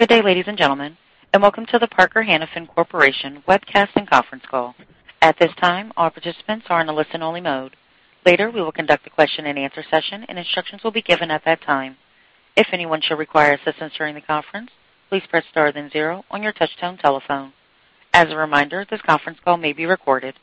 Good day, ladies and gentlemen, and welcome to the Parker-Hannifin Corporation webcast and conference call. At this time, all participants are in the listen-only mode. Later, we will conduct a question-and-answer session, and instructions will be given at that time. If anyone should require assistance during the conference, please press star then zero on your touchtone telephone. As a reminder, this conference call may be recorded.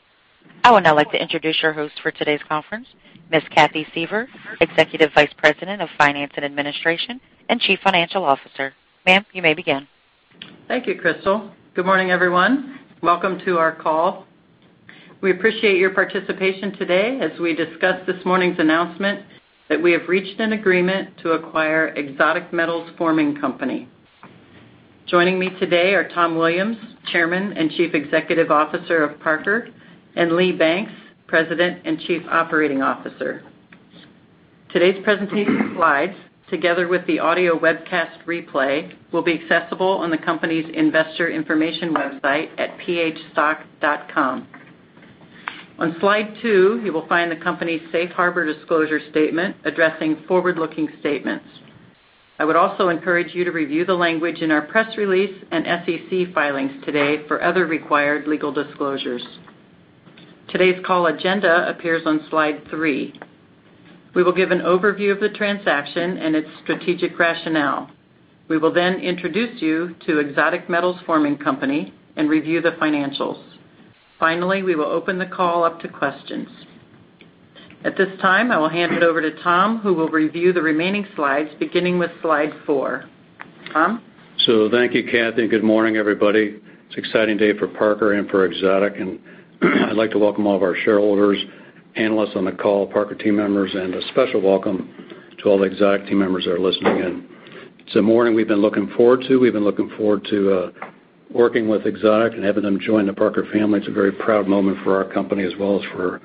I would now like to introduce your host for today's conference, Ms. Cathy Suever, Executive Vice President of Finance and Administration and Chief Financial Officer. Ma'am, you may begin. Thank you, Crystal. Good morning, everyone. Welcome to our call. We appreciate your participation today as we discuss this morning's announcement that we have reached an agreement to acquire Exotic Metals Forming Company. Joining me today are Tom Williams, Chairman and Chief Executive Officer of Parker, and Lee Banks, President and Chief Operating Officer. Today's presentation slides, together with the audio webcast replay, will be accessible on the company's investor information website at phstock.com. On Slide two, you will find the company's safe harbor disclosure statement addressing forward-looking statements. I would also encourage you to review the language in our press release and SEC filings today for other required legal disclosures. Today's call agenda appears on Slide three. We will give an overview of the transaction and its strategic rationale. We will then introduce you to Exotic Metals Forming Company and review the financials. We will open the call up to questions. At this time, I will hand it over to Tom, who will review the remaining slides, beginning with Slide four. Tom? Thank you, Cathy, and good morning, everybody. It's an exciting day for Parker and for Exotic, and I'd like to welcome all of our shareholders, analysts on the call, Parker team members, and a special welcome to all the Exotic team members that are listening in. It's a morning we've been looking forward to. We've been looking forward to working with Exotic and having them join the Parker family. It's a very proud moment for our company as well as for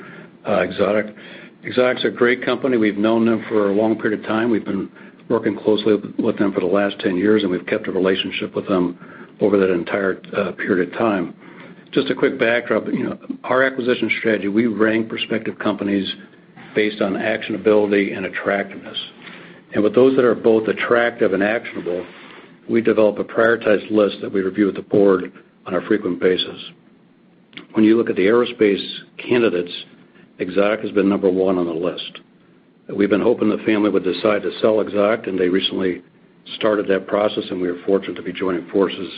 Exotic. Exotic's a great company. We've known them for a long period of time. We've been working closely with them for the last 10 years, and we've kept a relationship with them over that entire period of time. Just a quick backdrop. Our acquisition strategy, we rank prospective companies based on actionability and attractiveness. With those that are both attractive and actionable, we develop a prioritized list that we review with the board on a frequent basis. When you look at the aerospace candidates, Exotic has been number one on the list. We've been hoping the family would decide to sell Exotic, and they recently started that process, and we are fortunate to be joining forces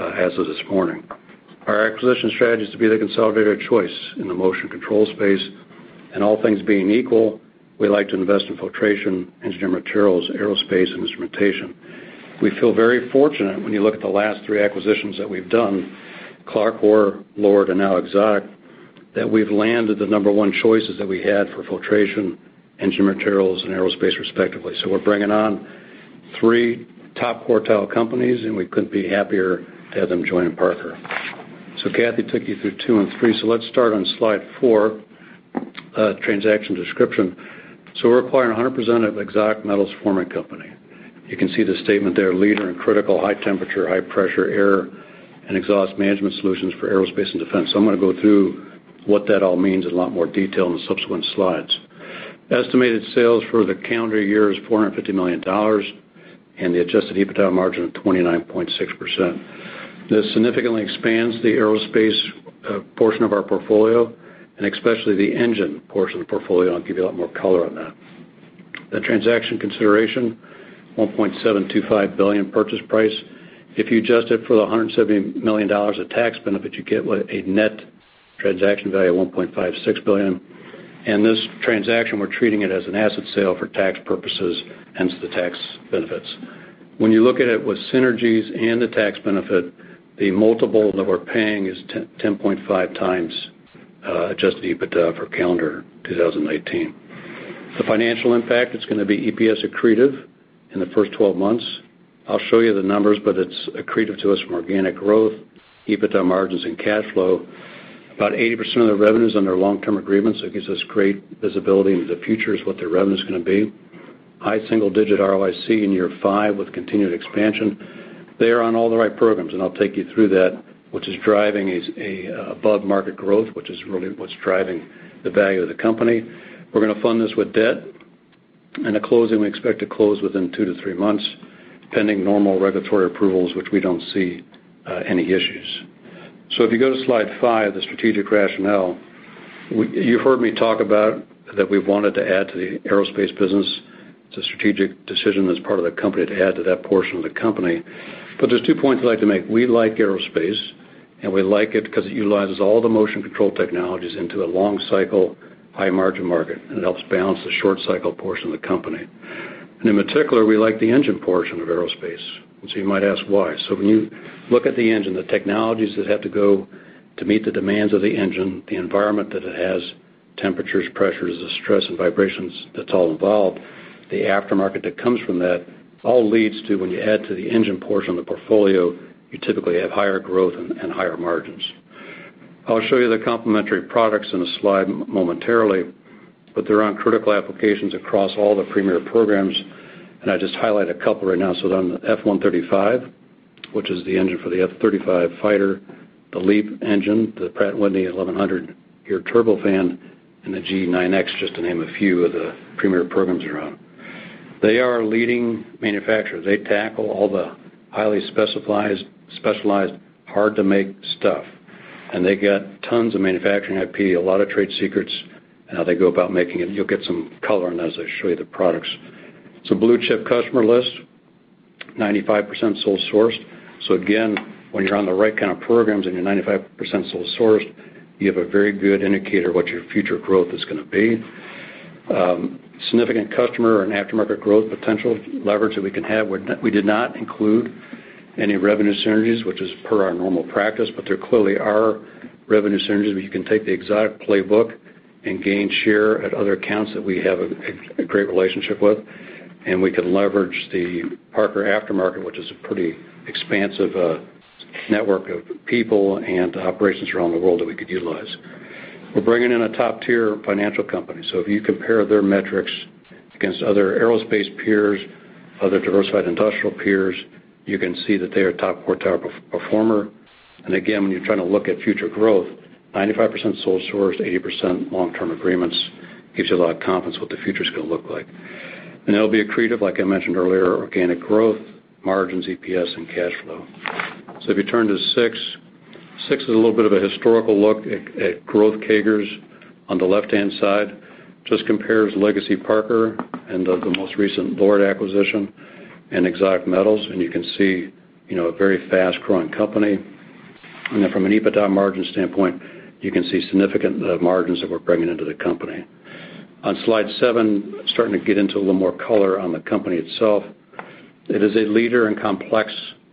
as of this morning. Our acquisition strategy is to be the consolidated choice in the motion control space, and all things being equal, we like to invest in filtration, Engineered Materials Group, Parker Aerospace, and instrumentation. We feel very fortunate when you look at the last three acquisitions that we've done, CLARCOR, LORD Corporation, and now Exotic, that we've landed the number one choices that we had for filtration, engine materials, and aerospace, respectively. We're bringing on three top quartile companies, and we couldn't be happier to have them join Parker. Cathy took you through two and three. Let's start on Slide four, transaction description. We're acquiring 100% of Exotic Metals Forming Company. You can see the statement there, "leader in critical high temperature, high pressure air and exhaust management solutions for aerospace and defense." I'm going to go through what that all means in a lot more detail in the subsequent slides. Estimated sales for the calendar year is $450 million and the adjusted EBITDA margin of 29.6%. This significantly expands the aerospace portion of our portfolio and especially the engine portion of the portfolio. I'll give you a lot more color on that. The transaction consideration, $1.725 billion purchase price. If you adjust it for the $170 million of tax benefit, you get what? A net transaction value of $1.56 billion. This transaction, we're treating it as an asset sale for tax purposes, hence the tax benefits. When you look at it with synergies and the tax benefit, the multiple that we're paying is 10.5x adjusted EBITDA for calendar 2019. The financial impact, it's going to be EPS accretive in the first 12 months. I'll show you the numbers, it's accretive to us from organic growth, EBITDA margins, and cash flow. About 80% of the revenue's under long-term agreements, it gives us great visibility into the future as what their revenue's going to be. High single-digit ROIC in year five with continued expansion. They are on all the right programs, I'll take you through that, which is driving a above market growth, which is really what's driving the value of the company. We're going to fund this with debt. The closing, we expect to close within two to three months, pending normal regulatory approvals, which we don't see any issues. If you go to Slide five, the strategic rationale, you've heard me talk about that we wanted to add to the aerospace business. It's a strategic decision as part of the company to add to that portion of the company. There's two points I'd like to make. We like aerospace, and we like it because it utilizes all the motion control technologies into a long cycle, high margin market, and it helps balance the short cycle portion of the company. In particular, we like the engine portion of aerospace. You might ask why. When you look at the engine, the technologies that have to go to meet the demands of the engine, the environment that it has, temperatures, pressures, the stress and vibrations that's all involved, the aftermarket that comes from that all leads to when you add to the engine portion of the portfolio, you typically have higher growth and higher margins. I'll show you the complementary products in a slide momentarily, but they're on critical applications across all the premier programs, and I'll just highlight a couple right now. On the F135, which is the engine for the F-35 fighter. The LEAP engine, the Pratt & Whitney 1100 geared turbofan, and the GE9X, just to name a few of the premier programs they're on. They are a leading manufacturer. They tackle all the highly specialized, hard-to-make stuff, and they got tons of manufacturing IP, a lot of trade secrets in how they go about making it. You'll get some color on that as I show you the products. It's a blue-chip customer list, 95% sole sourced. Again, when you're on the right kind of programs and you're 95% sole sourced, you have a very good indicator what your future growth is going to be. Significant customer and aftermarket growth potential leverage that we can have. We did not include any revenue synergies, which is per our normal practice, but there clearly are revenue synergies, where you can take the Exotic playbook and gain share at other accounts that we have a great relationship with, and we can leverage the Parker aftermarket, which is a pretty expansive network of people and operations around the world that we could utilize. We're bringing in a top-tier financial company. If you compare their metrics against other aerospace peers, other diversified industrial peers, you can see that they are a top-quartile performer. Again, when you're trying to look at future growth, 95% sole sourced, 80% long-term agreements, gives you a lot of confidence what the future's going to look like. It'll be accretive, like I mentioned earlier, organic growth, margins, EPS, and cash flow. If you turn to six is a little bit of a historical look at growth CAGRs on the left-hand side. Just compares legacy Parker and the most recent LORD acquisition and Exotic Metals. You can see a very fast-growing company. From an EBITDA margin standpoint, you can see significant margins that we're bringing into the company. On slide seven, starting to get into a little more color on the company itself. It is a leader in complex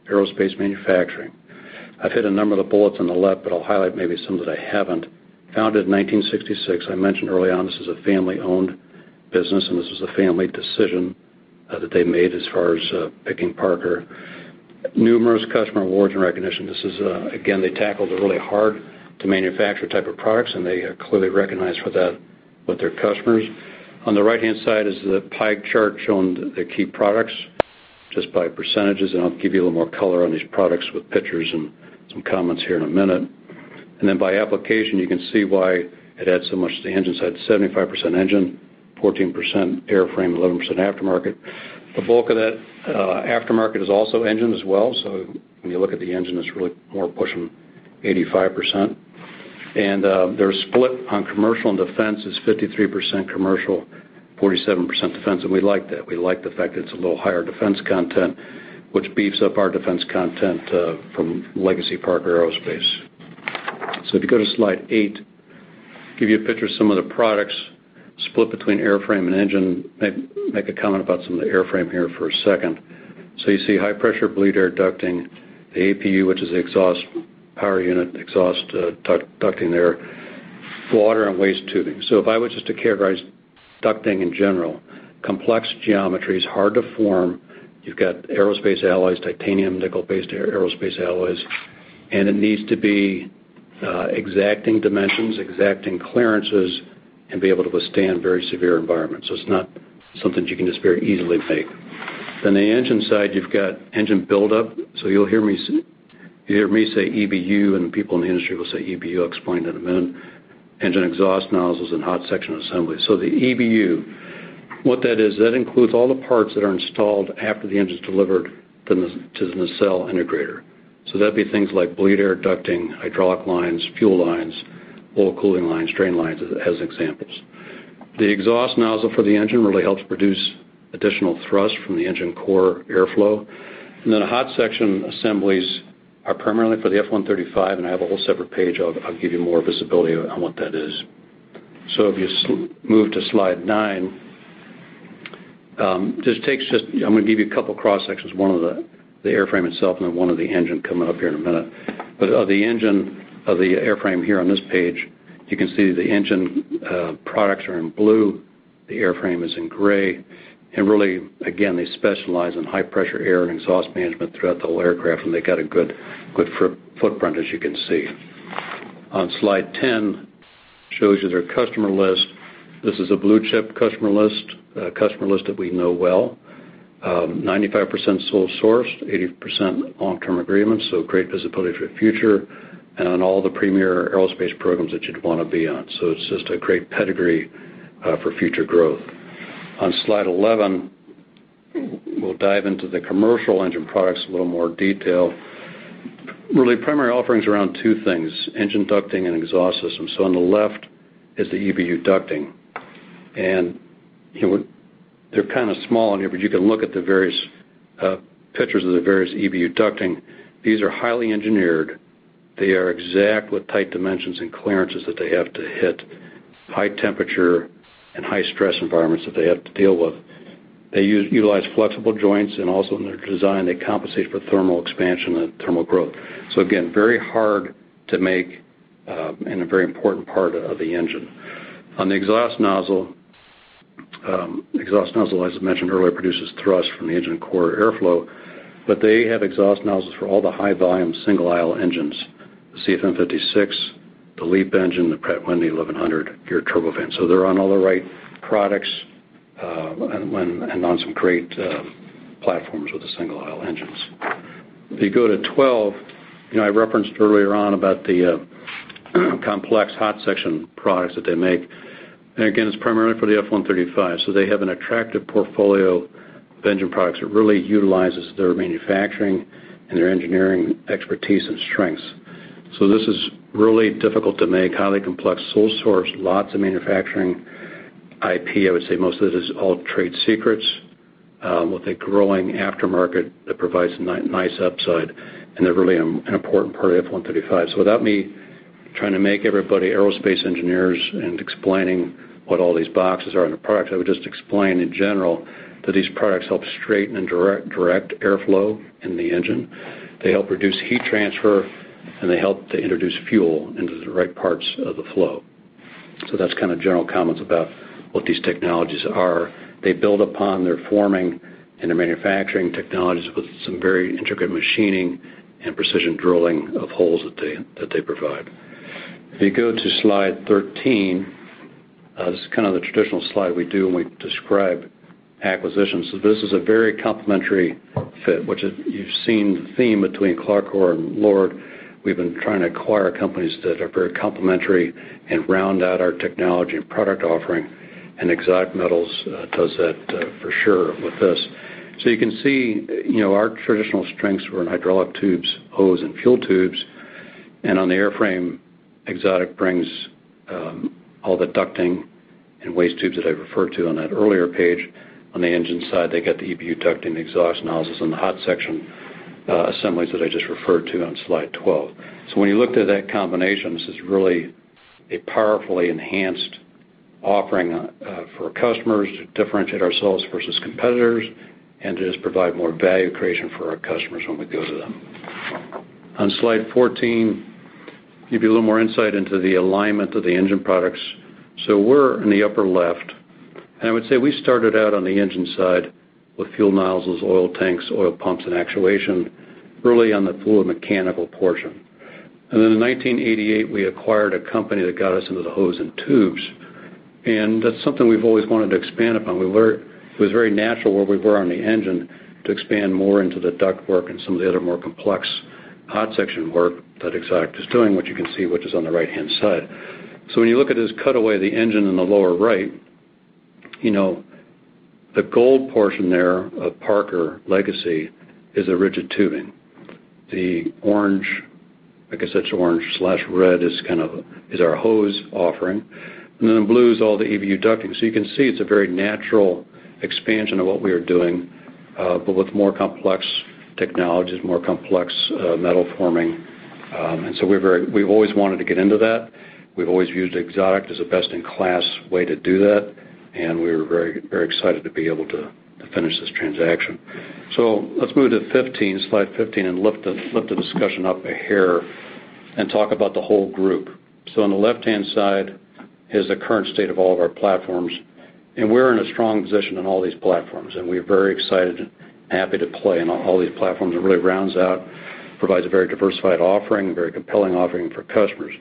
aerospace manufacturing. I've hit a number of the bullets on the left, but I'll highlight maybe some that I haven't. Founded in 1966. I mentioned early on, this is a family-owned business, and this was a family decision that they made as far as picking Parker. Numerous customer awards and recognition. Again, they tackle the really hard to manufacture type of products, and they are clearly recognized for that with their customers. On the right-hand side is the pie chart showing the key products just by percentages, and I'll give you a little more color on these products with pictures and some comments here in a minute. By application, you can see why it adds so much to the engine side, 75% engine, 14% airframe, 11% aftermarket. The bulk of that aftermarket is also engine as well. When you look at the engine, it's really more pushing 85%. Their split on commercial and defense is 53% commercial, 47% defense, and we like that. We like the fact that it's a little higher defense content, which beefs up our defense content from legacy Parker Aerospace. If you go to slide eight, give you a picture of some of the products split between airframe and engine. Make a comment about some of the airframe here for a second. You see high-pressure bleed air ducting, the APU, which is the auxiliary power unit, exhaust ducting there, water and waste tubing. If I were just to characterize ducting in general, complex geometries, hard to form. You've got aerospace alloys, titanium, nickel-based aerospace alloys, and it needs to be exacting dimensions, exacting clearances, and be able to withstand very severe environments. It's not something you can just very easily make. The engine side, you've got engine build up. You'll hear me say EBU, and the people in the industry will say EBU. I'll explain that in a minute. Engine exhaust nozzles and hot section assemblies. The EBU, what that is, that includes all the parts that are installed after the engine's delivered to the nacelle integrator. That'd be things like bleed air ducting, hydraulic lines, fuel lines, oil cooling lines, drain lines, as examples. The exhaust nozzle for the engine really helps produce additional thrust from the engine core airflow. The hot section assemblies are primarily for the F135, and I have a whole separate page. I'll give you more visibility on what that is. If you move to slide nine, I'm going to give you a couple cross-sections, one of the airframe itself and then one of the engine coming up here in a minute. Of the airframe here on this page, you can see the engine products are in blue, the airframe is in gray. Really, again, they specialize in high-pressure air and exhaust management throughout the whole aircraft, and they've got a good footprint, as you can see. On slide 10, shows you their customer list. This is a blue-chip customer list, a customer list that we know well. 95% sole sourced, 80% long-term agreements, so great visibility for the future, and on all the premier aerospace programs that you'd want to be on. It's just a great pedigree for future growth. On slide 11, we'll dive into the commercial engine products in a little more detail. Really, primary offerings around two things, engine ducting and exhaust systems. On the left is the EBU ducting. They're kind of small in here, but you can look at the various pictures of the various EBU ducting. These are highly engineered. They are exact with tight dimensions and clearances that they have to hit, high temperature and high stress environments that they have to deal with. They utilize flexible joints and also in their design, they compensate for thermal expansion and thermal growth. Again, very hard to make and a very important part of the engine. On the exhaust nozzle, as I mentioned earlier, produces thrust from the engine core airflow, but they have exhaust nozzles for all the high volume, single aisle engines, the CFM56, the LEAP engine, the Pratt & Whitney 1100G geared turbofan. They're on all the right products and on some great platforms with the single aisle engines. If you go to 12, I referenced earlier on about the complex hot section products that they make. Again, it's primarily for the F135, so they have an attractive portfolio of engine products that really utilizes their manufacturing and their engineering expertise and strengths. This is really difficult to make, highly complex, sole source, lots of manufacturing IP. I would say most of this is all trade secrets with a growing aftermarket that provides nice upside, and they're really an important part of F135. Without me trying to make everybody aerospace engineers and explaining what all these boxes are in the products, I would just explain in general that these products help straighten and direct airflow in the engine. They help reduce heat transfer. They help to introduce fuel into the right parts of the flow. That's general comments about what these technologies are. They build upon their forming and their manufacturing technologies with some very intricate machining and precision drilling of holes that they provide. If you go to slide 13, this is the traditional slide we do when we describe acquisitions. This is a very complementary fit, which you've seen the theme between CLARCOR or LORD. We've been trying to acquire companies that are very complementary and round out our technology and product offering. Exotic Metals Forming does that for sure with this. You can see, our traditional strengths were in hydraulic tubes, hose, and fuel tubes. On the airframe, Exotic brings all the ducting and waste tubes that I referred to on that earlier page. The engine side, they got the EBU ducting, the exhaust nozzles, and the hot section assemblies that I just referred to on slide 12. When you looked at that combination, this is really a powerfully enhanced offering for customers to differentiate ourselves versus competitors and to just provide more value creation for our customers when we go to them. Slide 14, give you a little more insight into the alignment of the engine products. We're in the upper left. I would say we started out on the engine side with fuel nozzles, oil tanks, oil pumps, and actuation, really on the fluid mechanical portion. Then in 1988, we acquired a company that got us into the hose and tubes, and that's something we've always wanted to expand upon. It was very natural where we were on the engine to expand more into the duct work and some of the other more complex hot section work that Exotic is doing, which you can see, which is on the right-hand side. When you look at this cutaway of the engine in the lower right, the gold portion there of Parker Legacy is the rigid tubing. The orange, I guess that's orange/red, is our hose offering. The blue is all the EBU ducting. You can see it's a very natural expansion of what we are doing, but with more complex technologies, more complex metal forming. We've always wanted to get into that. We've always viewed Exotic as a best-in-class way to do that, and we're very excited to be able to finish this transaction. Let's move to 15, slide 15, and lift the discussion up a hair and talk about the whole group. On the left-hand side is the current state of all of our platforms, and we're in a strong position on all these platforms, and we're very excited and happy to play in all these platforms. It really rounds out, provides a very diversified offering, a very compelling offering for customers.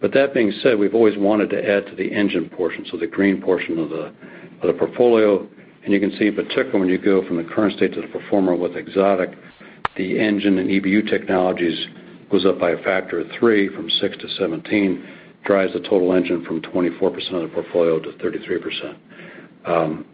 That being said, we've always wanted to add to the engine portion, so the green portion of the portfolio. You can see in particular, when you go from the current state to the pro forma with Exotic, the engine and EBU technologies goes up by a factor of three from 6 to 17, drives the total engine from 24% of the portfolio to 33%.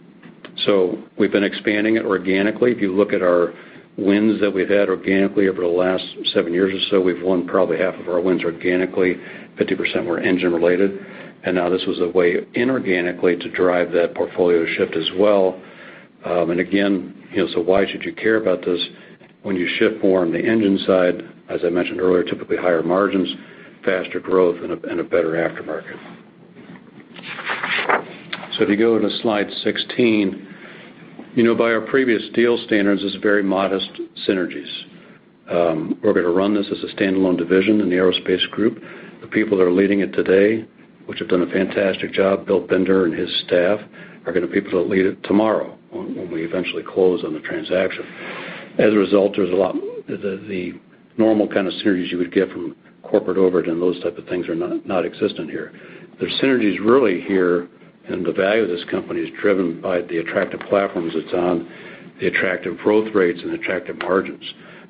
We've been expanding it organically. If you look at our wins that we've had organically over the last seven years or so, we've won probably half of our wins organically, 50% were engine related. Now this was a way inorganically to drive that portfolio shift as well. Why should you care about this? When you shift more on the engine side, as I mentioned earlier, typically higher margins, faster growth, and a better aftermarket. If you go into slide 16, by our previous deal standards, this is very modest synergies. We're going to run this as a standalone division in the Aerospace Group. The people that are leading it today, which have done a fantastic job, Bill Binder and his staff, are going to be people that lead it tomorrow when we eventually close on the transaction. As a result, the normal kind of synergies you would get from corporate overhead and those type of things are non-existent here. The synergies really here and the value of this company is driven by the attractive platforms it's on, the attractive growth rates, and the attractive margins.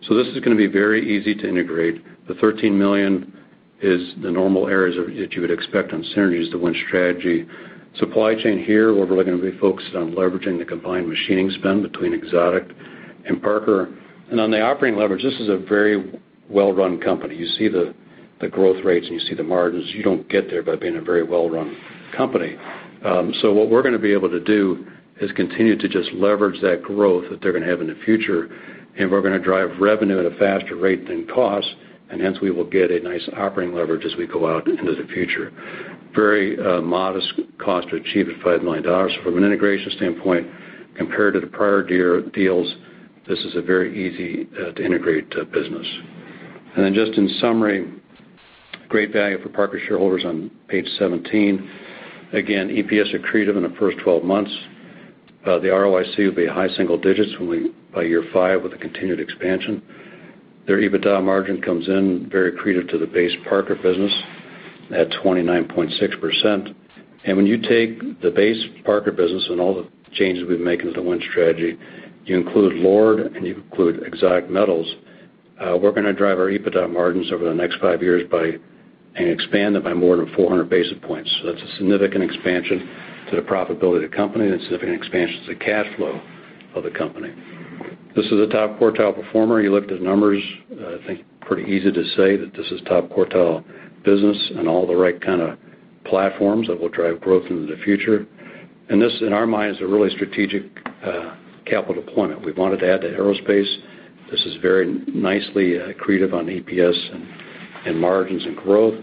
This is going to be very easy to integrate. The $13 million is the normal areas that you would expect on synergies to Win Strategy. Supply chain here, we're really going to be focused on leveraging the combined machining spend between Exotic and Parker. On the operating leverage, this is a very well-run company. You see the growth rates, and you see the margins. You don't get there by being a very well-run company. What we are going to be able to do is continue to just leverage that growth that they are going to have in the future, and we are going to drive revenue at a faster rate than cost, and hence, we will get a nice operating leverage as we go out into the future. Very modest cost to achieve at $5 million. From an integration standpoint, compared to the prior year deals, this is a very easy to integrate business. Just in summary, great value for Parker shareholders on page 17. Again, EPS accretive in the first 12 months. The ROIC will be high single digits by year five with a continued expansion. Their EBITDA margin comes in very accretive to the base Parker business at 29.6%. When you take the base Parker business and all the changes we've been making to the Win Strategy, you include LORD and you include Exotic Metals, we're going to drive our EBITDA margins over the next five years and expand it by more than 400 basis points. That's a significant expansion to the profitability of the company, and a significant expansion to the cash flow of the company. This is a top quartile performer. You looked at numbers, I think pretty easy to say that this is top quartile business and all the right kind of platforms that will drive growth into the future. This, in our minds, is a really strategic capital deployment. We wanted to add to aerospace. This is very nicely accretive on EPS and margins and growth.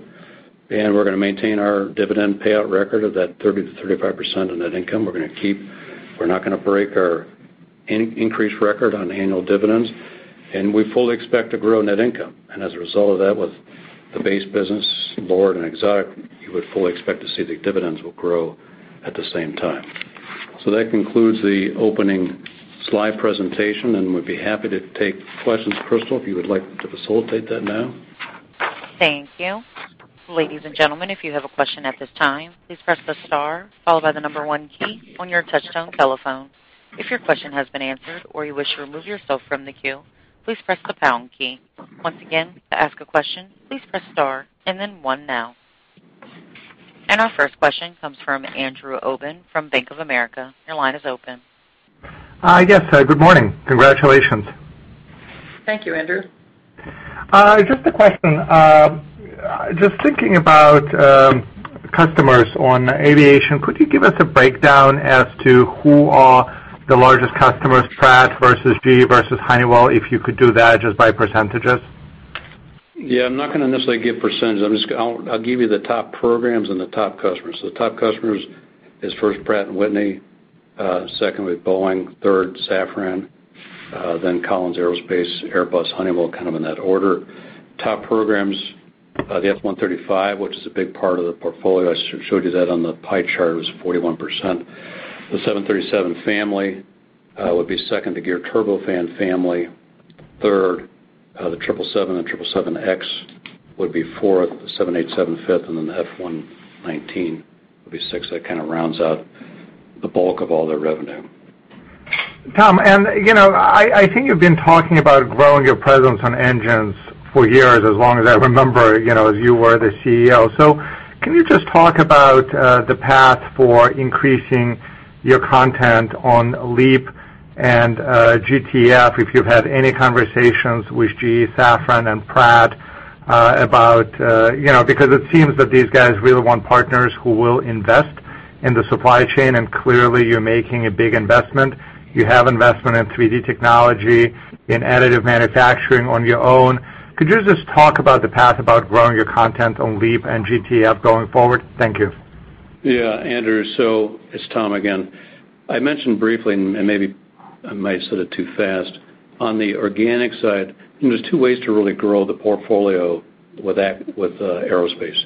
We're going to maintain our dividend payout record of that 30%-35% on net income. We're not going to break our increased record on annual dividends. We fully expect to grow net income. As a result of that, with the base business, LORD and Exotic, you would fully expect to see the dividends will grow at the same time. That concludes the opening slide presentation, and we'd be happy to take questions. Crystal, if you would like to facilitate that now. Thank you. Ladies and gentlemen, if you have a question at this time, please press the star followed by the number one key on your touchtone telephone. If your question has been answered or you wish to remove yourself from the queue, please press the pound key. Once again, to ask a question, please press star and then one now. Our first question comes from Andrew Obin from Bank of America. Your line is open. Hi, yes. Good morning. Congratulations. Thank you, Andrew. Just a question. Just thinking about customers on aviation, could you give us a breakdown as to who are the largest customers, Pratt versus GE versus Honeywell, if you could do that just by percentages? Yeah, I'm not going to necessarily give percentages. I'll give you the top programs and the top customers. The top customers is first Pratt & Whitney, second would be Boeing, third Safran, then Collins Aerospace, Airbus, Honeywell, kind of in that order. Top programs, the F135, which is a big part of the portfolio. I showed you that on the pie chart. It was 41%. The 737 family would be second to Geared Turbofan family. Third, the 777 and 777X would be fourth. The 787, fifth, and then the F119 would be sixth. That kind of rounds out the bulk of all their revenue. Tom, I think you've been talking about growing your presence on engines for years, as long as I remember, as you were the CEO. Can you just talk about the path for increasing your content on LEAP and GTF, if you've had any conversations with GE, Safran and Pratt about because it seems that these guys really want partners who will invest in the supply chain, and clearly you're making a big investment. You have investment in 3D technology, in additive manufacturing on your own. Could you just talk about the path about growing your content on LEAP and GTF going forward? Thank you. Yeah, Andrew. It's Tom again. I mentioned briefly, and maybe I might have said it too fast, on the organic side, there's two ways to really grow the portfolio with aerospace,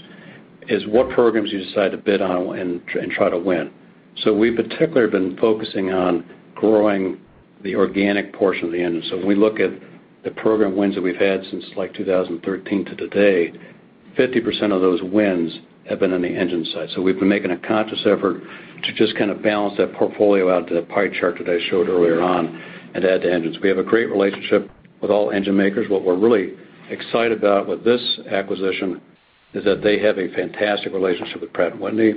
is what programs you decide to bid on and try to win. We particularly have been focusing on growing the organic portion of the engine. When we look at the program wins that we've had since 2013 to today, 50% of those wins have been on the engine side. We've been making a conscious effort to just kind of balance that portfolio out, the pie chart that I showed earlier on, and add the engines. We have a great relationship with all engine makers. What we're really excited about with this acquisition is that they have a fantastic relationship with Pratt & Whitney.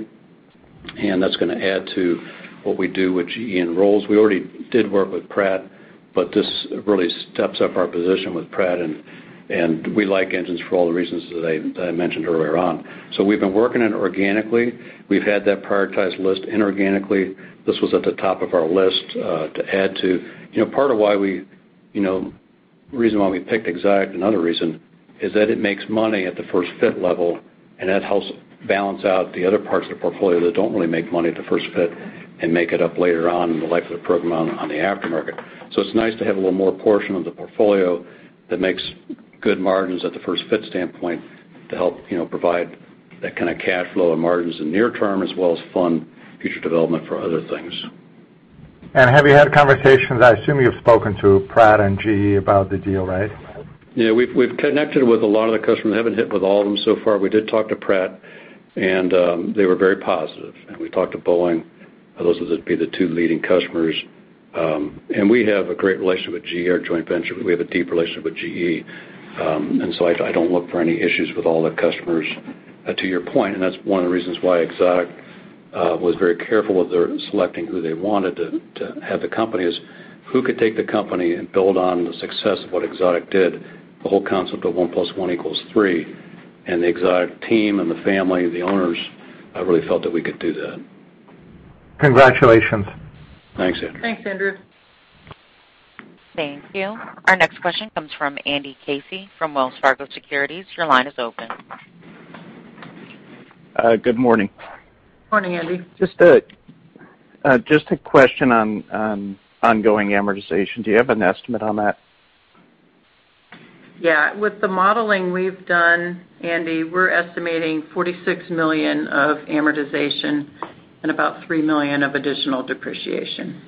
That's going to add to what we do with GE and Rolls-Royce. We already did work with Pratt. This really steps up our position with Pratt. We like engines for all the reasons that I mentioned earlier on. We've been working it organically. We've had that prioritized list inorganically. This was at the top of our list to add to. Part of the reason why we picked Exotic, another reason, is that it makes money at the first fit level. That helps balance out the other parts of the portfolio that don't really make money at the first fit and make it up later on in the life of the program on the aftermarket. It's nice to have a little more portion of the portfolio that makes good margins at the first fit standpoint to help provide that kind of cash flow and margins in near term, as well as fund future development for other things. Have you had conversations, I assume you've spoken to Pratt and GE about the deal, right? We've connected with a lot of the customers. We haven't hit with all of them so far. We did talk to Pratt, and they were very positive. We talked to Boeing. Those would be the two leading customers. We have a great relationship with GE, our joint venture. We have a deep relationship with GE. So I don't look for any issues with all the customers. To your point, that's one of the reasons why Exotic was very careful with their selecting who they wanted to have the company is, who could take the company and build on the success of what Exotic did, the whole concept of 1 + 1 = 3. The Exotic team and the family, the owners, really felt that we could do that. Congratulations. Thanks, Andrew. Thanks, Andrew. Thank you. Our next question comes from Andy Casey from Wells Fargo Securities. Your line is open. Good morning. Morning, Andy. Just a question on ongoing amortization. Do you have an estimate on that? Yeah. With the modeling we've done, Andy, we're estimating $46 million of amortization and about $3 million of additional depreciation.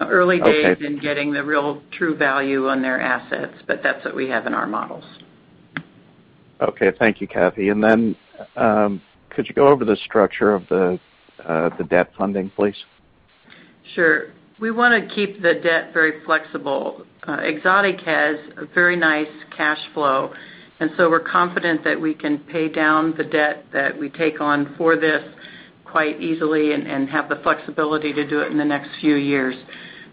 Early days in getting the real true value on their assets, but that's what we have in our models. Okay. Thank you, Cathy. Then, could you go over the structure of the debt funding, please? Sure. We want to keep the debt very flexible. Exotic has a very nice cash flow, and so we're confident that we can pay down the debt that we take on for this quite easily and have the flexibility to do it in the next few years.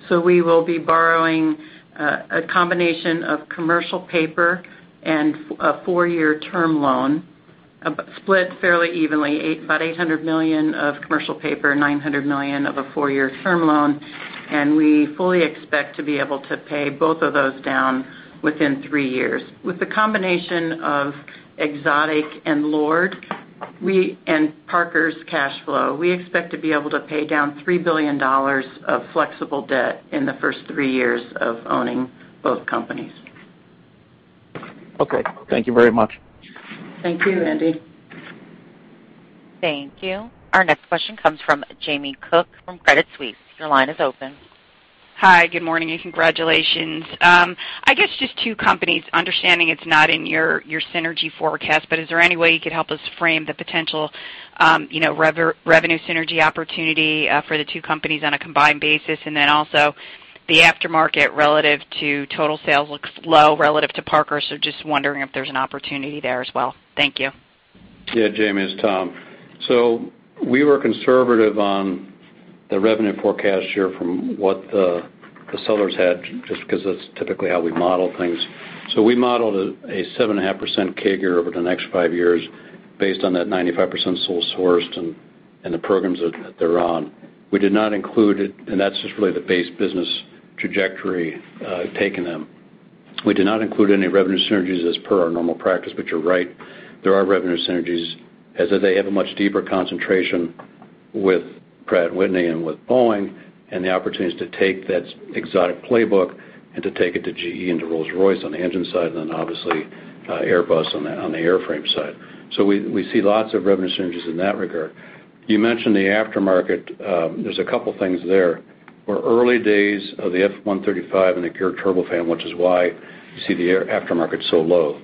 We will be borrowing a combination of commercial paper and a four-year term loan, split fairly evenly, about $800 million of commercial paper, $900 million of a four-year term loan. We fully expect to be able to pay both of those down within three years. With the combination of Exotic and LORD and Parker's cash flow, we expect to be able to pay down $3 billion of flexible debt in the first three years of owning both companies. Okay. Thank you very much. Thank you, Andy. Thank you. Our next question comes from Jamie Cook from Credit Suisse. Your line is open. Hi, good morning. Congratulations. I guess just two companies, understanding it's not in your synergy forecast, is there any way you could help us frame the potential revenue synergy opportunity for the two companies on a combined basis? Then also, the aftermarket relative to total sales looks low relative to Parker. Just wondering if there's an opportunity there as well. Thank you. Jamie, it's Tom. We were conservative on the revenue forecast here from what the sellers had, just because that's typically how we model things. We modeled a 7.5% CAGR over the next five years based on that 95% sole sourced and the programs that they're on. We did not include it, and that's just really the base business trajectory taking them. We did not include any revenue synergies as per our normal practice, but you're right, there are revenue synergies, as they have a much deeper concentration with Pratt & Whitney and with Boeing, and the opportunities to take that Exotic playbook and to take it to GE and to Rolls-Royce on the engine side, and then obviously Airbus on the airframe side. We see lots of revenue synergies in that regard. You mentioned the aftermarket. There's a couple things there. We're early days of the F135 and the geared turbofan, which is why you see the aftermarket so low.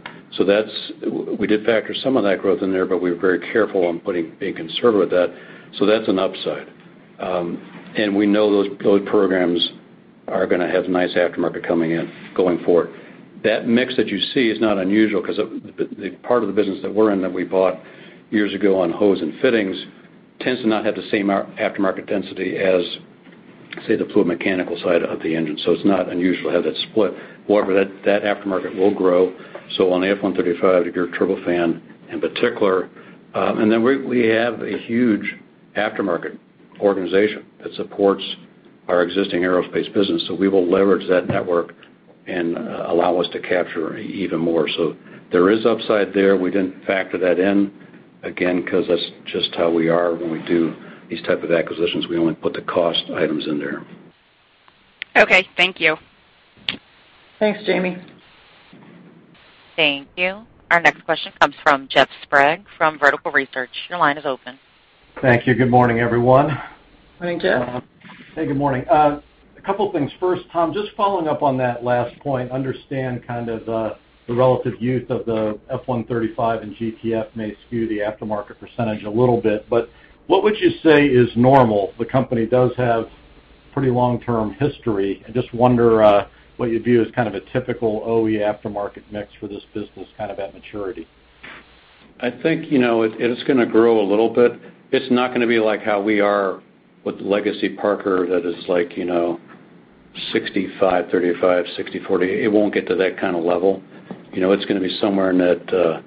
We did factor some of that growth in there. We were very careful on being conservative with that. That's an upside. We know those programs are going to have nice aftermarket coming in going forward. That mix that you see is not unusual because the part of the business that we're in, that we bought years ago on hose and fittings, tends to not have the same aftermarket density as, say, the fluid mechanical side of the engine. It's not unusual to have that split. However, that aftermarket will grow, so on the F135 and geared turbofan in particular. We have a huge aftermarket organization that supports our existing aerospace business. We will leverage that network and allow us to capture even more. There is upside there. We didn't factor that in, again, because that's just how we are when we do these type of acquisitions. We only put the cost items in there. Okay. Thank you. Thanks, Jamie. Thank you. Our next question comes from Jeff Sprague from Vertical Research. Your line is open. Thank you. Good morning, everyone. Morning, Jeff. Hey, good morning. A couple things. First, Tom, just following up on that last point, understand kind of the relative youth of the F135 and GTF may skew the aftermarket percentage a little bit, but what would you say is normal? The company does have pretty long-term history. I just wonder what you view as kind of a typical OE aftermarket mix for this business, kind of at maturity. I think it's going to grow a little bit. It's not going to be like how we are with Parker Legacy that is like 65/35, 60/40. It won't get to that kind of level. It's going to be somewhere in that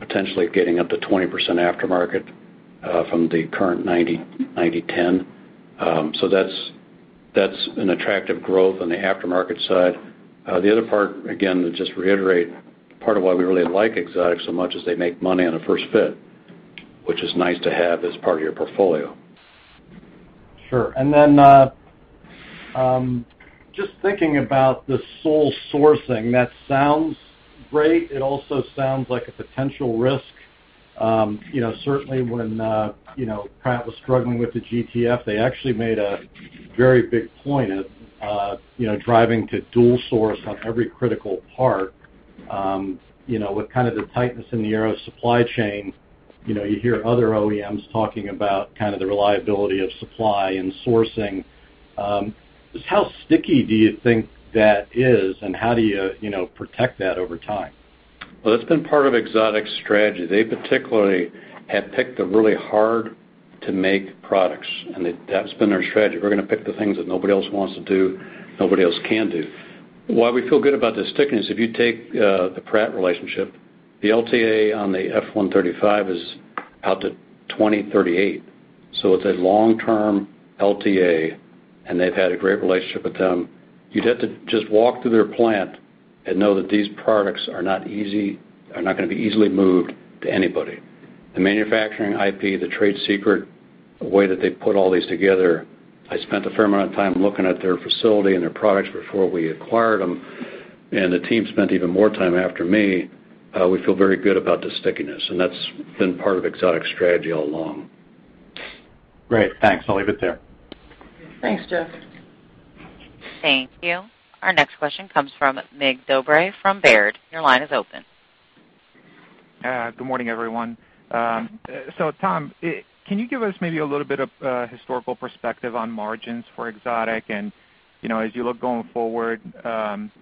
potentially getting up to 20% aftermarket from the current 90/10. That's an attractive growth on the aftermarket side. The other part, again, to just reiterate, part of why we really like Exotic so much is they make money on a first fit, which is nice to have as part of your portfolio. Sure. Just thinking about the sole sourcing, that sounds great. It also sounds like a potential risk. Certainly when Pratt was struggling with the GTF, they actually made a very big point of driving to dual source on every critical part. With kind of the tightness in the aero supply chain, you hear other OEMs talking about kind of the reliability of supply and sourcing. Just how sticky do you think that is, and how do you protect that over time? Well, that's been part of Exotic's strategy. They particularly have picked the really hard to make products, and that's been their strategy. We're going to pick the things that nobody else wants to do, nobody else can do. Why we feel good about the stickiness, if you take the Pratt relationship, the LTA on the F135 is out to 2038. It's a long-term LTA, and they've had a great relationship with them. You'd have to just walk through their plant and know that these products are not going to be easily moved to anybody. The manufacturing IP, the trade secret, the way that they put all these together, I spent a fair amount of time looking at their facility and their products before we acquired them. The team spent even more time after me, we feel very good about the stickiness, and that's been part of Exotic's strategy all along. Great. Thanks. I'll leave it there. Thanks, Jeff. Thank you. Our next question comes from Mig Dobre from Baird. Your line is open. Good morning, everyone. Tom, can you give us maybe a little bit of historical perspective on margins for Exotic and, as you look going forward, at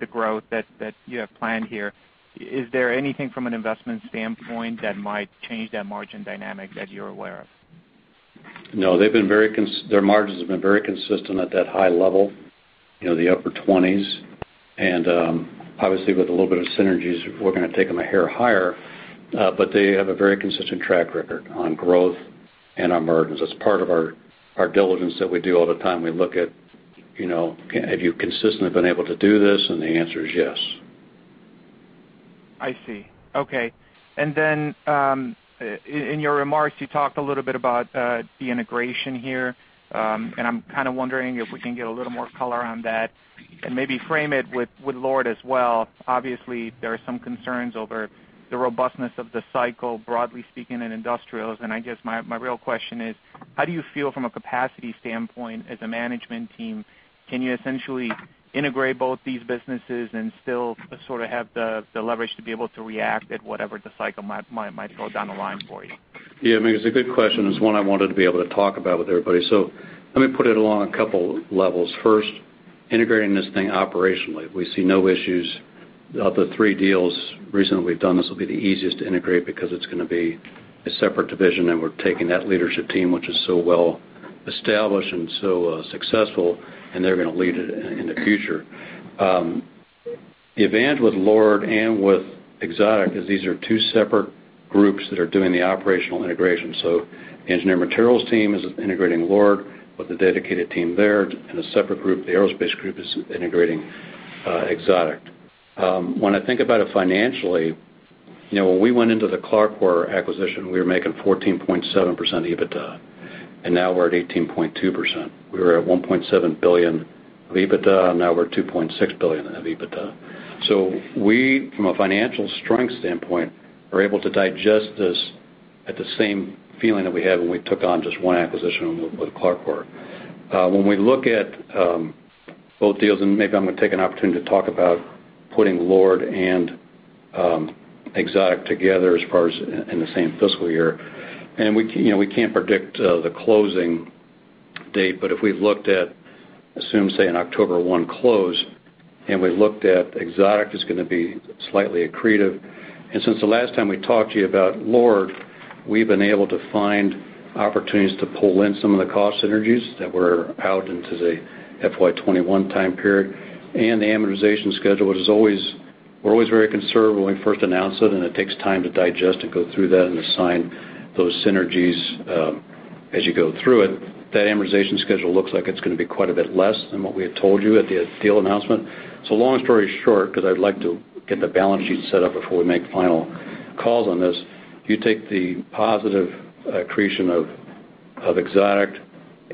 the growth that you have planned here, is there anything from an investment standpoint that might change that margin dynamic that you're aware of? No. Their margins have been very consistent at that high level, the upper 20s, obviously, with a little bit of synergies, we're going to take them a hair higher. They have a very consistent track record on growth and on margins. That's part of our diligence that we do all the time. We look at, have you consistently been able to do this? The answer is yes. I see. Okay. In your remarks, you talked a little bit about the integration here. I'm kind of wondering if we can get a little more color on that and maybe frame it with LORD as well. Obviously, there are some concerns over the robustness of the cycle, broadly speaking, in industrials. I guess my real question is, how do you feel from a capacity standpoint as a management team? Can you essentially integrate both these businesses and still sort of have the leverage to be able to react at whatever the cycle might throw down the line for you? Mig, it's a good question. It's one I wanted to be able to talk about with everybody. Let me put it along a couple levels. First, integrating this thing operationally, we see no issues. Of the three deals recently we've done, this will be the easiest to integrate because it's going to be a separate division, and we're taking that leadership team, which is so well established and so successful, and they're going to lead it in the future. The advantage with LORD and with Exotic is these are two separate groups that are doing the operational integration. Engineered Materials team is integrating LORD with a dedicated team there in a separate group. The Aerospace Group is integrating Exotic. When I think about it financially, when we went into the CLARCOR acquisition, we were making 14.7% EBITDA, and now we're at 18.2%. We were at $1.7 billion of EBITDA. Now we're $2.6 billion in EBITDA. We, from a financial strength standpoint, are able to digest this at the same feeling that we had when we took on just one acquisition with CLARCOR. When we look at both deals, maybe I'm going to take an opportunity to talk about putting LORD and Exotic together as far as in the same fiscal year. We can't predict the closing date, but if we looked at, assume, say, an October 1 close, and we looked at Exotic, it's going to be slightly accretive. Since the last time we talked to you about LORD, we've been able to find opportunities to pull in some of the cost synergies that were out into the FY 2021 time period. The amortization schedule is always very conservative when we first announce it, and it takes time to digest and go through that and assign those synergies, as you go through it. That amortization schedule looks like it is going to be quite a bit less than what we had told you at the deal announcement. Long story short, because I would like to get the balance sheet set up before we make final calls on this, you take the positive accretion of Exotic,